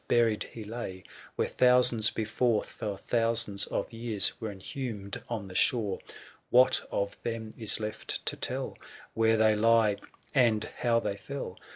Buried he lay, where thousands before For thousands of years were inhumed on tl>e shore : What of them is left, to tell 770 Where they lie, and how they fell